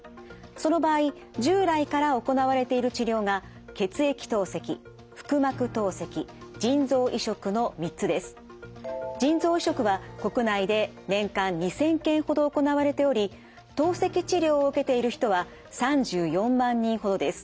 その場合従来から行われている治療が腎臓移植は国内で年間２，０００件ほど行われており透析治療を受けている人は３４万人ほどです。